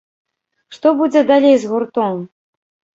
Што будзе далей з гуртом?